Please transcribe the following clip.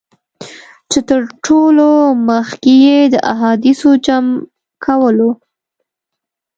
چي تر ټولو مخکي یې د احادیثو جمع کولو.